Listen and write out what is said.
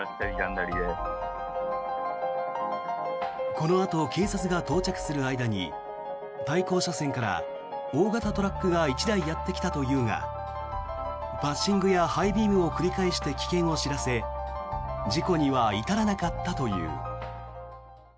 このあと警察が到着する間に対向車線から大型トラックが１台やってきたというがパッシングやハイビームを繰り返して危険を知らせ事故には至らなかったという。